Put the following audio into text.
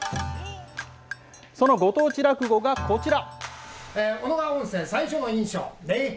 そのご当地落語がこちら。